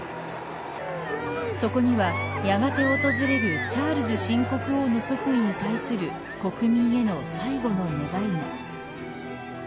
そこには、やがて訪れるチャールズ新国王の即位に対する国民への最後の願いも。